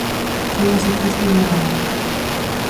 Foi unha sorpresa moi agradable.